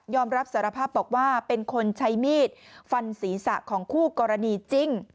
รับสารภาพบอกว่าเป็นคนใช้มีดฟันศีรษะของคู่กรณีจริง